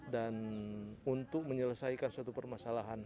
dan untuk menyelesaikan suatu permasalahan